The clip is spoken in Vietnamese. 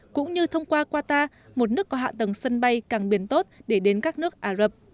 cũng như thông qua qatar một nước có hạ tầng sân bay càng biển tốt để đến các nước ả rập